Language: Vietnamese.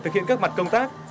thực hiện các mặt công tác